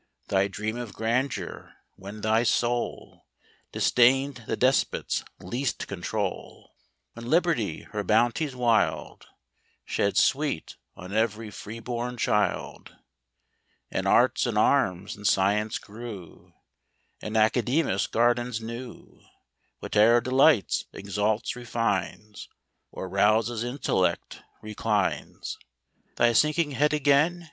Thy dream of grandeur ; when thy soul Disdained the despot's least control, When Liberty her bounties wild Shed sweet on every free born child; And arts, and arms, and science grew; And Academus' gardens knew Whatever delights, exalts, refines, Or rouses intellect reclines Thy sinking head again